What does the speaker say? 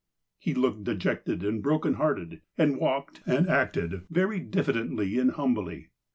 He looked dejected, and broken hearted, and walked and acted very diffidently and humbly.